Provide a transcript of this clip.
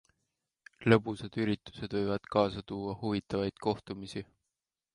Lõbusad üritused võivad kaasa tuua huvitavaid kohtumisi.